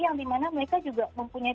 yang dimana mereka juga mempunyai